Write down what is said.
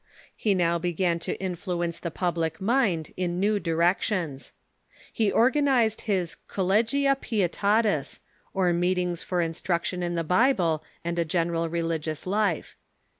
He now began to influence the public mind in new directions. Pie organized his Collegia Pietatis, or meet ings for instruction in the Bible and a general religious life.